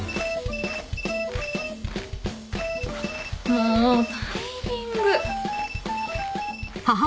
もうタイミング。